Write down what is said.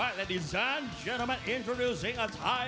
กระสุนของฟ้าสังปิ้นเสียนชาย